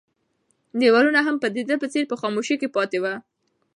دیوالونه هم د ده په څېر په خاموشۍ کې پاتې وو.